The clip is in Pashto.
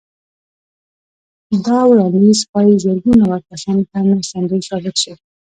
دا وړانديز ښايي زرګونه وړ کسانو ته مرستندوی ثابت شي.